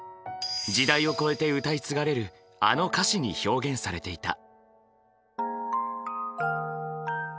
時代を超えて歌い継がれるあの歌詞に表現されていた。